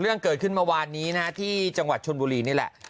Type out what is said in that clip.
เรื่องเกิดขึ้นเมื่อวานนี้นะฮะที่จังหวัดชนบุรีนี่แหละ